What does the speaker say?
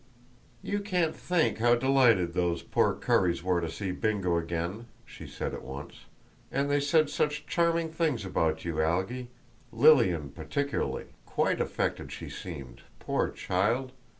"You can't think how delighted those poor Curries were to see Bingo again," she said at once; "and they said such charming things about you, Algy—Lilian particularly; quite affected she seemed, poor child!